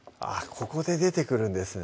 ここで出てくるんですね